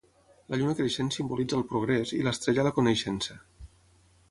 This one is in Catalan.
La lluna creixent simbolitza el progrés i l'estrella la coneixença.